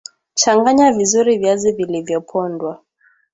Changanya vizuri viazi vilivyopondwa